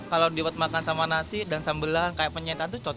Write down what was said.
kalau dibuat makan sama nasi dan sambelan kayak penyetan itu cocok